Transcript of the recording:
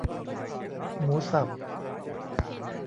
หมูสับ